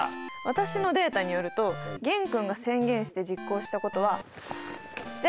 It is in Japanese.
私のデータによると玄君が宣言して実行したことは０！